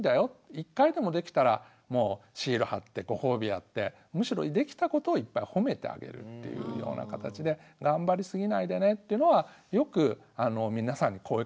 １回でもできたらもうシール貼ってご褒美やってむしろできたことをいっぱい褒めてあげるというような形で頑張りすぎないでねっていうのはよく皆さんに声かけしてること。